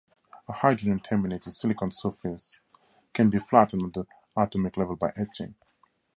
A hydrogen-terminated silicon surface can be flattened at the atomic level by etching.